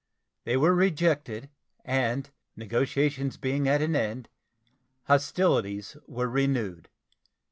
They were rejected, and, negotiations being at an end, hostilities were renewed.